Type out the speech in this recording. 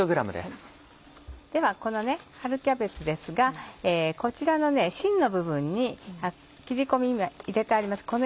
ではこの春キャベツですがこちらの芯の部分に切り込みを今入れてあります